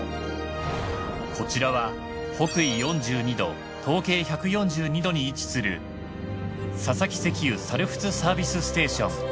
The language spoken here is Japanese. こちらは北緯４２度東経１４２度に位置するササキ石油猿払サービスステーション。